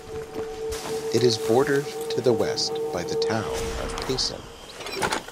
It is bordered to the west by the town of Payson.